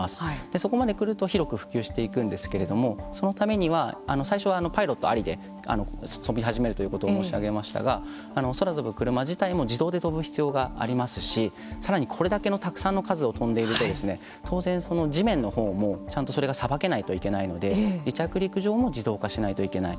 そこまで来ると広く普及していくんですけれどもそのためには最初はパイロットありで飛び始めるということを申し上げましたが空飛ぶクルマ自体も自動で飛ぶ必要がありますしさらにこれだけのたくさんの数を飛んでいると当然、地面のほうもちゃんとそれがさばけないといけないので離着陸場も自動化しないといけない。